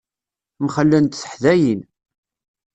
Mxellent teḥdayin.